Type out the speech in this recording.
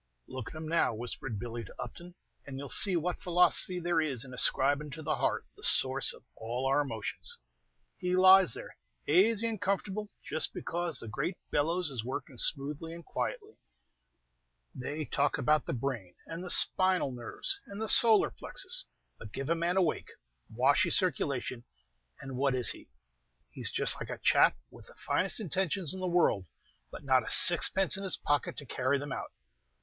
"Look at him now," whispered Billy to Upton, "and you 'll see what philosophy there is in ascribin' to the heart the source of all our emotions. He lies there azy and comfortable just because the great bellows is working smoothly and quietly. They talk about the brain, and the spinal nerves, and the soliar plexus; but give a man a wake, washy circulation, and what is he? He's just like a chap with the finest intentions in the world, but not a sixpence in his pocket to carry them out!